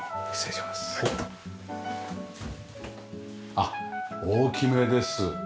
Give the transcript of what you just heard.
あっ大きめです。